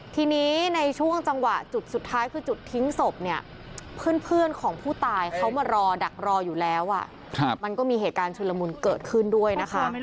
ทีนี้ในช่วงจังหวะจุดสุดท้ายคือจุดทิ้งศพเนี่ยเพื่อนของผู้ตายเขามารอดักรออยู่แล้วมันก็มีเหตุการณ์ชุลมุนเกิดขึ้นด้วยนะคะ